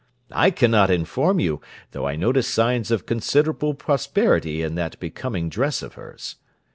I cannot inform you, though I notice signs of considerable prosperity in that becoming dress of hers.